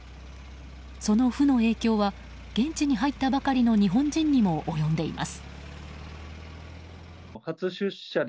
その負の影響は現地に入ったばかりの日本人にも及んでいます。